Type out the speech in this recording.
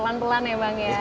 pelan pelan ya bang ya